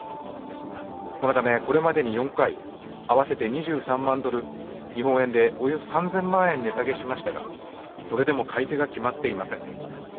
このため、これまでに４回合わせて２３万ドル日本円でおよそ３０００万円値下げしましたがそれでも買い手が決まっていません。